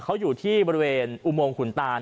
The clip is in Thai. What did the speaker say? เขาอยู่ที่บริเวณอุโมงขุนตาน